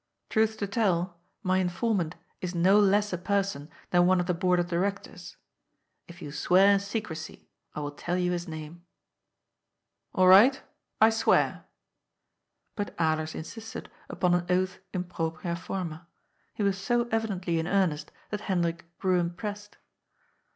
Truth to tell, my informant is no less a person than one of the board of directors. If you swear secrecy, I will tell you his name." " All right. I swear." But Alers insisted upon an oath in propriA form&. He was so evidently in earnest that Hendrik grew impressed.